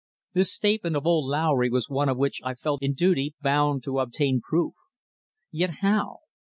The statement of old Lowry was one of which I felt in duty bound to obtain proof. Yet how?